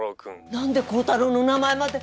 何で光太郎の名前まで。